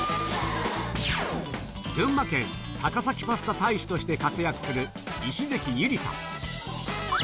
群馬県高崎パスタ大使として活躍する石関友梨さん。